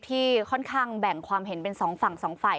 ที่ค่อนข้างแบ่งความเห็นเป็นสองฝั่งสองฝ่าย